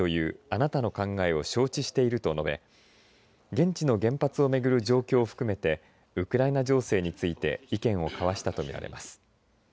あなたの考えを承知していると述べ現地の原発を巡る状況を含めてウクライナ情勢について意見を交わしたと見られます。